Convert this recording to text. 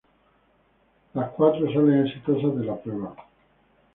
Las cuatro salen exitosas de la prueba.